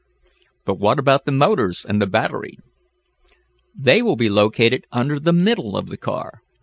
"But what about the motors and the battery?" "They will be located under the middle of the car.